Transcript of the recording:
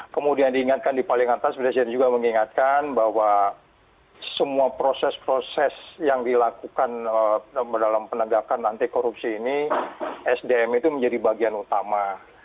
kemudian diingatkan di paling atas presiden juga mengingatkan bahwa semua proses proses yang dilakukan dalam penegakan anti korupsi ini sdm itu menjadi bagian utama